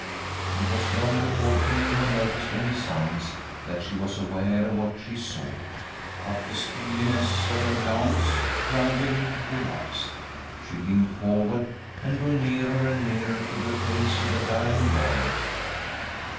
It was long before anyone noticed any signs that she was aware of what she saw, but the steeliness of her glance gradually relaxed ; she leaned forward, !.: THE STORM WITHIN THE SOUL 23 and drew nearer and nearer to the face of the dying girl.